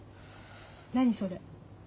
何それ。